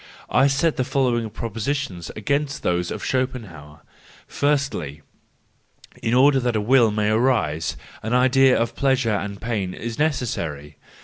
I set the following propositions against those of Schopen¬ hauer:—Firstly, in order that Will may arise, an idea of pleasure and pain is necessary.